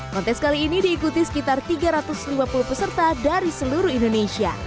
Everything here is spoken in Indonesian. kontes kali ini diikuti sekitar tiga ratus lima puluh peserta dari seluruh indonesia